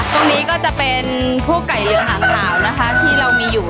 ตรงนี้ก็จะเป็นพวกไก่เหลืองหางขาวนะคะที่เรามีอยู่